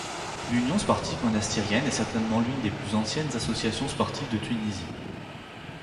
L'Union sportive monastirienne est certainement l'une des plus anciennes associations sportives de Tunisie.